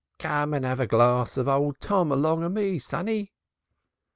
"Come and have a glass of Old Tom, along o' me, sonny."